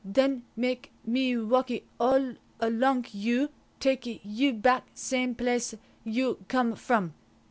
"Then me makee walkee all alonk you, takee you back same placee you comee from.